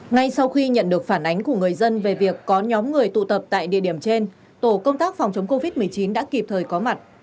ngay sau khi nhận được phản ánh của người dân về việc có nhóm người tụ tập tại địa điểm trên tổ công tác phòng chống covid một mươi chín đã kịp thời có mặt